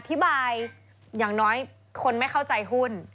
อย่างน้อยคนไม่เข้าใจหุ้น